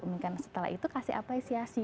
mungkin setelah itu kasih apresiasi